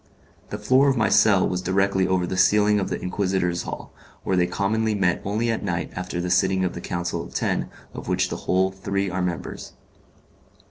The floor of my cell was directly over the ceiling of the Inquisitors' hall, where they commonly met only at night after the sitting of the Council of Ten of which the whole three are members.